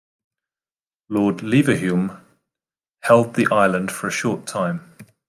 Lord Leverhulme held the island for a short time.